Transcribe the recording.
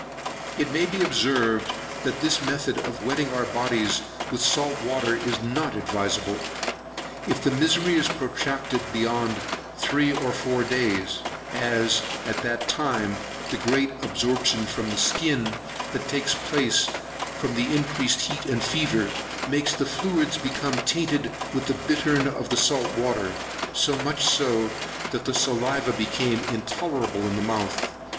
It may be observed, that this method of wetting our bodies with salt water is not advisable, if the misery is protracted beyond three or four days, as, after that time, the great absorption from the skin that takes place from the increased heat and fever, makes the fluids become tainted with the bittern of the salt water; so much so, that the saliva became intolerable in the mouth.